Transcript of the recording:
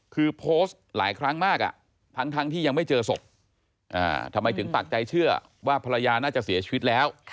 คือโพสต์หลายครั้งมากทั้งที่ยังไม่เจอศพทำไมถึงปากใจเชื่อว่าภรรยาน่าจะเสียชีวิตแล้ว